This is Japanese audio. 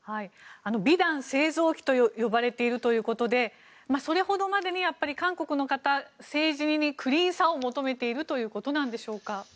美談製造機と呼ばれているということでそれほどまでに韓国の方政治にクリーンさを求めているということなんでしょうか。